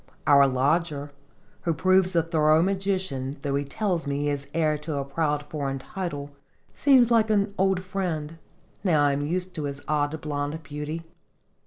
Our lodger, who proves a thorough musician though he tells me he is heir to a proud foreign title seems like an old friend, now I am used to his odd blonde beauty.